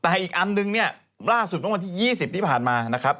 แต่อีกอันนึงเนี่ยล่าสุดเมื่อวันที่๒๐ที่ผ่านมานะครับ